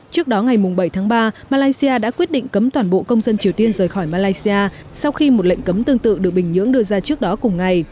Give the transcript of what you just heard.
trước đó ngày bảy tháng ba malaysia đã quyết định cấm toàn bộ công dân triều tiên rời khỏi malaysia sau khi một lệnh cấm tương tự được bình nhưỡng đưa ra trước đó cùng ngày